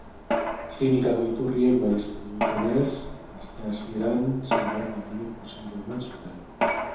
Klinikako iturriek baieztatu dutenez, aste hasieran zenbait langilek positibo eman zuten.